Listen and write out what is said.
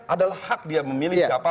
adalah hak dia memilih siapa